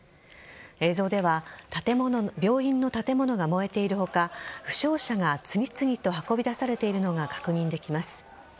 映像では病院の建物が燃えている他負傷者が次々と運び出されているのが確認できます。